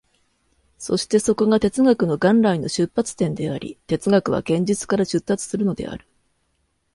そしてそこが哲学の元来の出発点であり、哲学は現実から出立するのである。